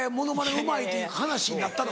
うまいって話になったの？